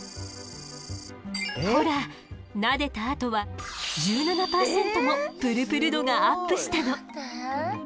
ほらなでたあとは１７％もプルプル度がアップしたの。